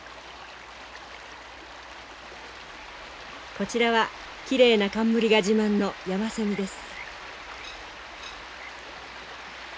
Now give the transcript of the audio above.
こちらはきれいな冠が自慢のヤマセミです。